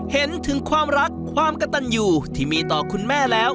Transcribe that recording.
เห็นถึงความรักความกระตันอยู่ที่มีต่อคุณแม่แล้ว